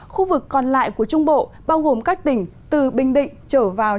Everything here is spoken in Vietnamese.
khu vực còn lại của trung bộ bao gồm các tỉnh từ bình định trở vào cho đến quảng ngãi